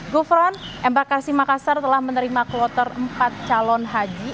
gufron embakasi makassar telah menerima kloter empat calon haji